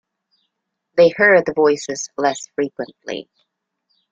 They heard the voices less frequently.